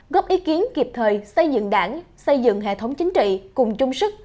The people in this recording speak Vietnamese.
góp ý kiến kịp thời xây dựng đảng xây dựng hệ thống chính trị cùng chung sức